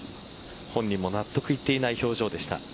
本人も納得いっていない表情でした。